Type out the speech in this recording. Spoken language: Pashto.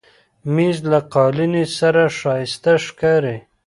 مېز له قالینې سره ښایسته ښکاري.